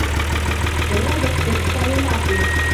وَالرَّهْبَةَ تَكُفُّ عَنْ الْمَعْصِيَةِ